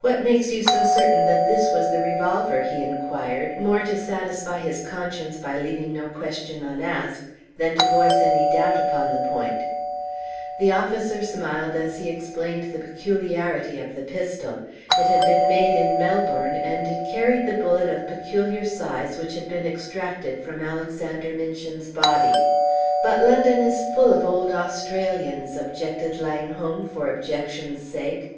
"What makes you so certain that this was the revolver?" he inquired, more to satisfy his conscience by leaving no question unasked than to voice any doubt upon the point. The other smiled as he explained the peculiarity of the pistol; it had been made in Melbourne, and it carried the bullet of peculiar size which had been extracted from Alexander Minchin's body. "But London is full of old Australians," objected Langholm, for objection's sake.